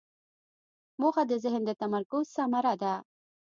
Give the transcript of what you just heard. موخه د ذهن د تمرکز ثمره ده.